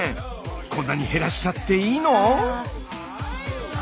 こんなに減らしちゃっていいの？